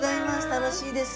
楽しいです。